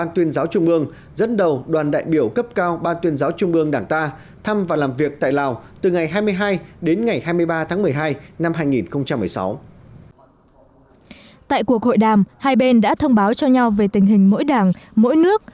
tại cuộc hội đàm hai bên đã thông báo cho nhau về tình hình mỗi đảng mỗi nước